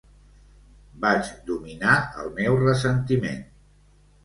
Vaig dominar el meu ressentiment.